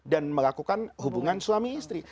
dan melakukan hubungan suami istri